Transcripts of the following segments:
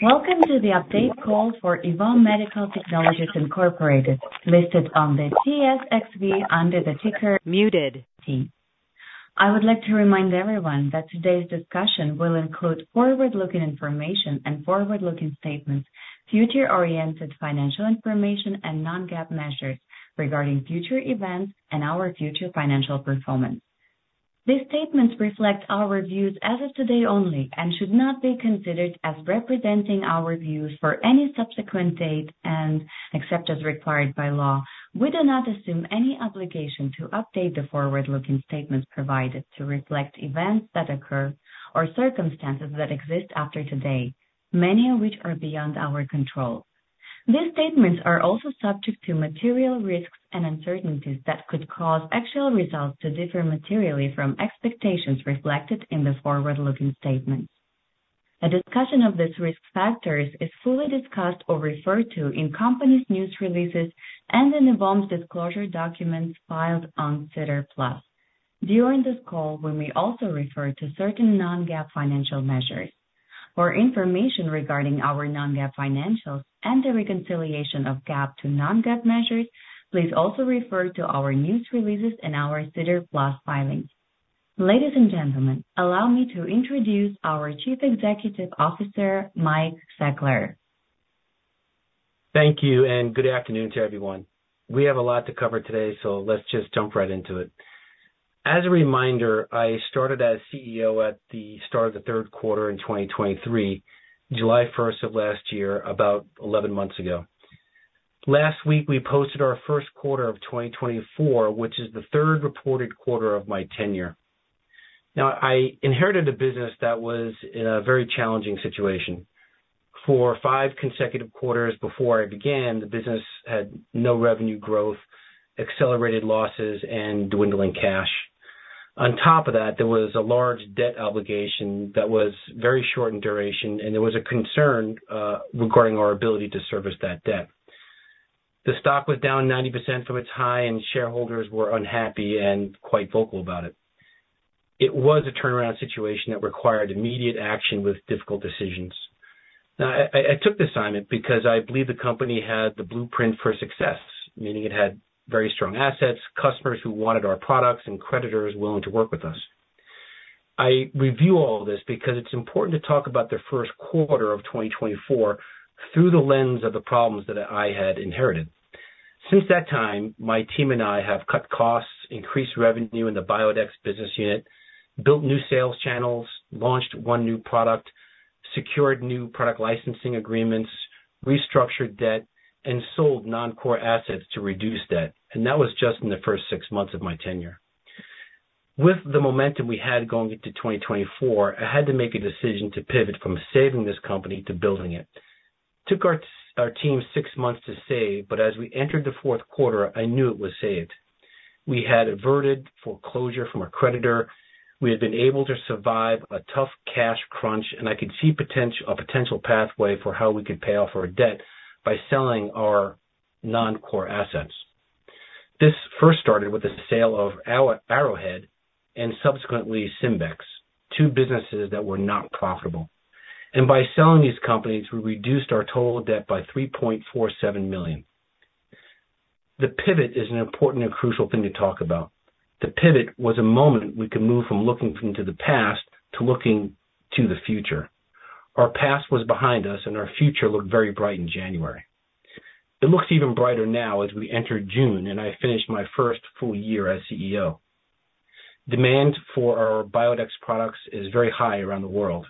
Welcome to the update call for Evome Medical Technologies Incorporated, listed on the TSXV under the ticker EVMT. I would like to remind everyone that today's discussion will include forward-looking information and forward-looking statements, future-oriented financial information, and non-GAAP measures regarding future events and our future financial performance. These statements reflect our views as of today only and should not be considered as representing our views for any subsequent date and except as required by law. We do not assume any obligation to update the forward-looking statements provided to reflect events that occur or circumstances that exist after today, many of which are beyond our control. These statements are also subject to material risks and uncertainties that could cause actual results to differ materially from expectations reflected in the forward-looking statements. A discussion of these risk factors is fully discussed or referred to in the company's news releases and in Evome's disclosure documents filed on SEDAR+. During this call, we may also refer to certain non-GAAP financial measures. For information regarding our non-GAAP financials and the reconciliation of GAAP to non-GAAP measures, please also refer to our news releases and our SEDAR+ filings. Ladies and gentlemen, allow me to introduce our Chief Executive Officer, Mike Seckler. Thank you, and good afternoon to everyone. We have a lot to cover today, so let's just jump right into it. As a reminder, I started as CEO at the start of the third quarter in 2023, July 1 of last year, about 11 months ago. Last week, we posted our first quarter of 2024, which is the third reported quarter of my tenure. Now, I inherited a business that was in a very challenging situation. For five consecutive quarters before I began, the business had no revenue growth, accelerated losses, and dwindling cash. On top of that, there was a large debt obligation that was very short in duration, and there was a concern regarding our ability to service that debt. The stock was down 90% from its high, and shareholders were unhappy and quite vocal about it. It was a turnaround situation that required immediate action with difficult decisions. Now, I took the assignment because I believe the company had the blueprint for success, meaning it had very strong assets, customers who wanted our products, and creditors willing to work with us. I review all of this because it's important to talk about the first quarter of 2024 through the lens of the problems that I had inherited. Since that time, my team and I have cut costs, increased revenue in the Biodex business unit, built new sales channels, launched one new product, secured new product licensing agreements, restructured debt, and sold non-core assets to reduce debt. And that was just in the first six months of my tenure. With the momentum we had going into 2024, I had to make a decision to pivot from saving this company to building it. Took our team six months to save, but as we entered the fourth quarter, I knew it was saved. We had averted foreclosure from our creditor. We had been able to survive a tough cash crunch, and I could see a potential pathway for how we could pay off our debt by selling our non-core assets. This first started with the sale of Arrowhead and subsequently Simbex, two businesses that were not profitable. By selling these companies, we reduced our total debt by $3.47 million. The pivot is an important and crucial thing to talk about. The pivot was a moment we could move from looking into the past to looking to the future. Our past was behind us, and our future looked very bright in January. It looks even brighter now as we enter June, and I finish my first full year as CEO. Demand for our Biodex products is very high around the world.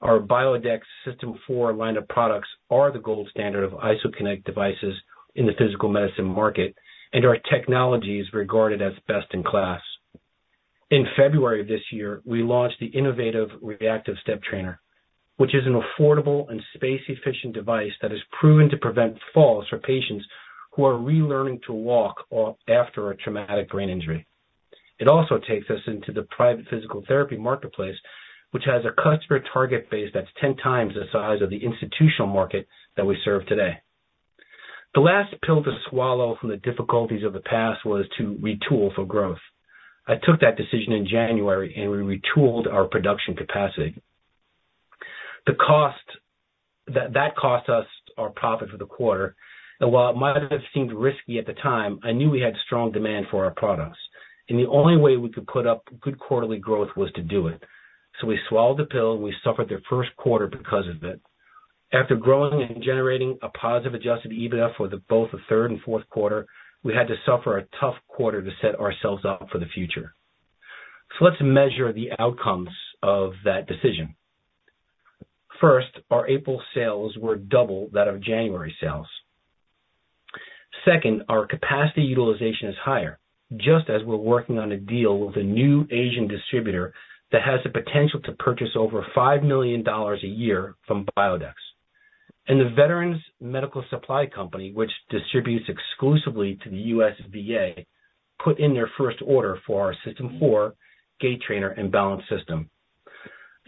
Our Biodex System 4 line of products are the gold standard of isokinetic devices in the physical medicine market, and our technology is regarded as best-in-class. In February of this year, we launched the innovative Reactive Step Trainer, which is an affordable and space-efficient device that is proven to prevent falls for patients who are relearning to walk, or after a traumatic brain injury. It also takes us into the private physical therapy marketplace, which has a customer target base that's 10 times the size of the institutional market that we serve today. The last pill to swallow from the difficulties of the past was to retool for growth. I took that decision in January, and we retooled our production capacity. The cost that, that cost us our profit for the quarter, and while it might have seemed risky at the time, I knew we had strong demand for our products, and the only way we could put up good quarterly growth was to do it. So we swallowed the pill, and we suffered the first quarter because of it. After growing and generating a positive Adjusted EBITDA for both the third and fourth quarter, we had to suffer a tough quarter to set ourselves up for the future. So let's measure the outcomes of that decision. First, our April sales were double that of January sales. Second, our capacity utilization is higher, just as we're working on a deal with a new Asian distributor that has the potential to purchase over $5 million a year from Biodex. And the Veterans Medical Supply Company, which distributes exclusively to the U.S. VA, put in their first order for our System 4 Gait Trainer and Balance System.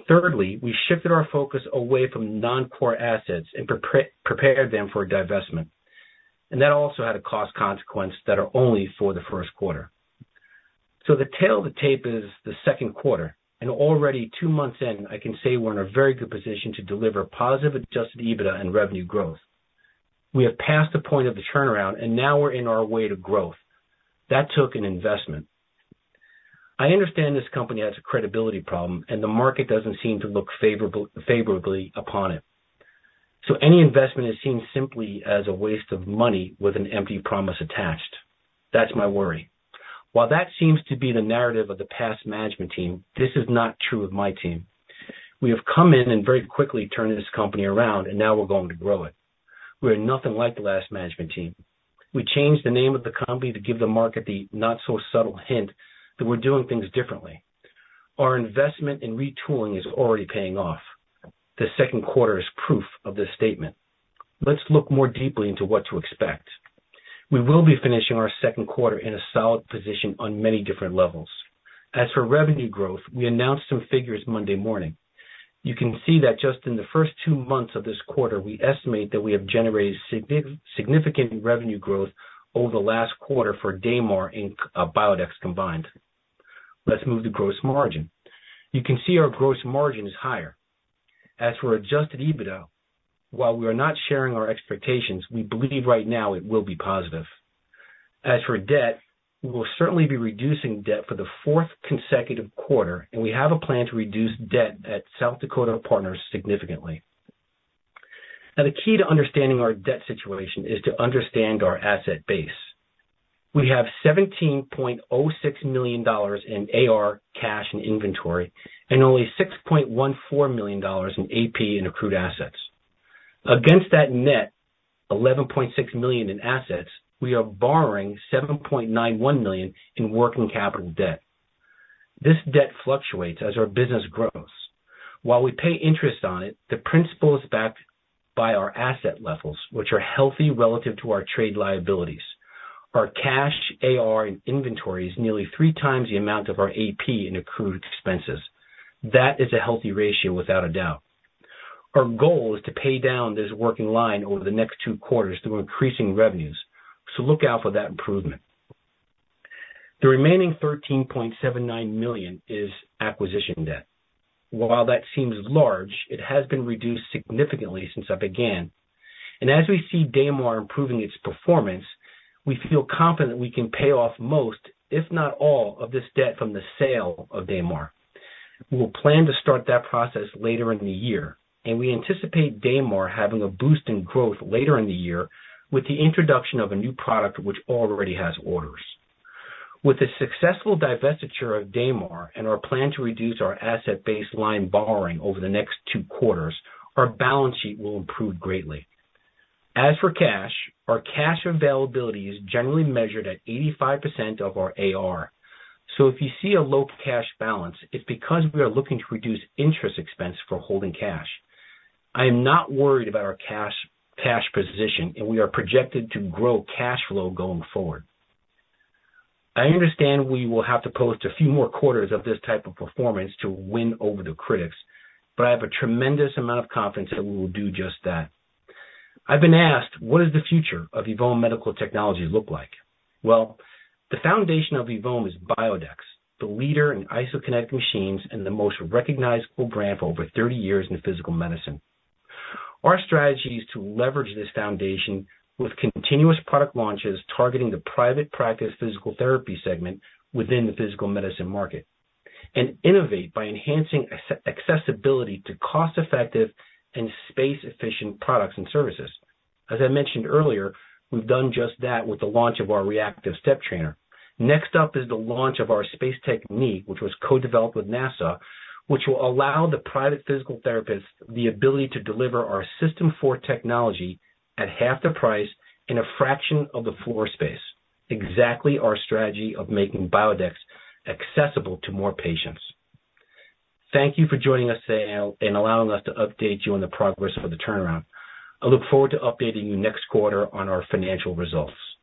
Thirdly, we shifted our focus away from non-core assets and prepared them for divestment, and that also had a cost consequence that are only for the first quarter. So the tale of the tape is the second quarter, and already two months in, I can say we're in a very good position to deliver positive Adjusted EBITDA and revenue growth. We have passed the point of the turnaround, and now we're in our way to growth. That took an investment. I understand this company has a credibility problem, and the market doesn't seem to look favorable, favorably upon it. So any investment is seen simply as a waste of money with an empty promise attached. That's my worry. While that seems to be the narrative of the past management team, this is not true of my team. We have come in and very quickly turned this company around, and now we're going to grow it. We are nothing like the last management team. We changed the name of the company to give the market the not-so-subtle hint that we're doing things differently. Our investment in retooling is already paying off. The second quarter is proof of this statement. Let's look more deeply into what to expect. We will be finishing our second quarter in a solid position on many different levels. As for revenue growth, we announced some figures Monday morning. You can see that just in the first two months of this quarter, we estimate that we have generated significant revenue growth over the last quarter for Damar and Biodex combined. Let's move to gross margin. You can see our gross margin is higher. As for Adjusted EBITDA, while we are not sharing our expectations, we believe right now it will be positive. As for debt, we will certainly be reducing debt for the fourth consecutive quarter, and we have a plan to reduce debt at South Dakota Partners significantly. Now, the key to understanding our debt situation is to understand our asset base. We have $17.06 million in AR, cash, and inventory, and only $6.14 million in AP and accrued assets. Against that net, $11.6 million in assets, we are borrowing $7.91 million in working capital debt. This debt fluctuates as our business grows. While we pay interest on it, the principal is backed by our asset levels, which are healthy relative to our trade liabilities. Our cash, AR, and inventory is nearly three times the amount of our AP and accrued expenses. That is a healthy ratio, without a doubt. Our goal is to pay down this working line over the next two quarters through increasing revenues, so look out for that improvement. The remaining $13.79 million is acquisition debt. While that seems large, it has been reduced significantly since I began, and as we see Damar improving its performance, we feel confident we can pay off most, if not all, of this debt from the sale of Damar. We will plan to start that process later in the year, and we anticipate Damar having a boost in growth later in the year with the introduction of a new product, which already has orders. With the successful divestiture of Damar and our plan to reduce our asset base line borrowing over the next two quarters, our balance sheet will improve greatly. As for cash, our cash availability is generally measured at 85% of our AR. So if you see a low cash balance, it's because we are looking to reduce interest expense for holding cash. I am not worried about our cash, cash position, and we are projected to grow cash flow going forward. I understand we will have to post a few more quarters of this type of performance to win over the critics, but I have a tremendous amount of confidence that we will do just that. I've been asked, "What does the future of Evome Medical Technologies look like?" Well, the foundation of Evome is Biodex, the leader in isokinetic machines and the most recognizable brand for over 30 years in physical medicine. Our strategy is to leverage this foundation with continuous product launches, targeting the private practice physical therapy segment within the physical medicine market, and innovate by enhancing accessibility to cost-effective and space-efficient products and services. As I mentioned earlier, we've done just that with the launch of our Reactive Step Trainer. Next up is the launch of our Space Technique, which was co-developed with NASA, which will allow the private physical therapist the ability to deliver our System 4 technology at half the price in a fraction of the floor space, exactly our strategy of making Biodex accessible to more patients. Thank you for joining us today and allowing us to update you on the progress of the turnaround. I look forward to updating you next quarter on our financial results.